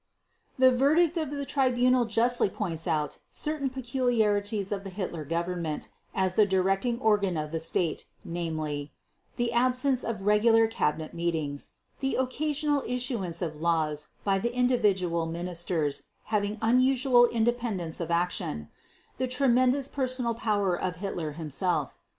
The verdict of the Tribunal justly points out certain peculiarities of the Hitler Government as the directing organ of the State, namely: the absence of regular cabinet meetings, the occasional issuance of laws by the individual Ministers having unusual independence of action, the tremendous personal power of Hitler himself.